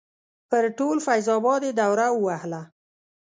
پر ټول فیض اباد یې دوره ووهله.